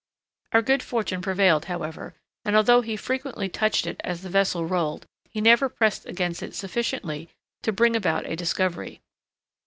Our good fortune prevailed, however; and although he frequently touched it as the vessel rolled, he never pressed against it sufficiently to bring about a discovery.